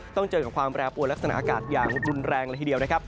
เจอกับความแปรปวดลักษณะอากาศอย่างรุนแรงเลยทีเดียวนะครับ